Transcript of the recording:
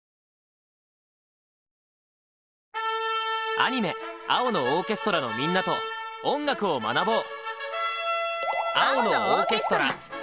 アニメ「青のオーケストラ」のみんなと音楽を学ぼう！